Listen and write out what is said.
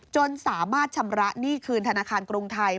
จนสามารถชำระหนี้คืนธนาคารกรุงไทย